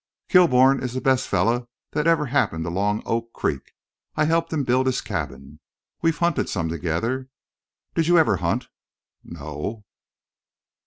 "Kilbourne is the best fellar thet ever happened along Oak Creek. I helped him build his cabin. We've hunted some together. Did you ever hunt?" "No."